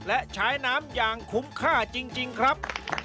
และใช้น้ำอย่างคุ้มค่าจริงครับ